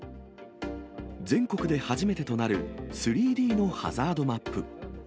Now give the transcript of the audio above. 全国で初めてとなる３Ｄのハザードマップ。